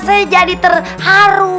saya jadi terharu